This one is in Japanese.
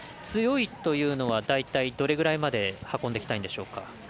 強いというのは大体、どれぐらいまで運んでいきたいんでしょうか？